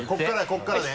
ここからね。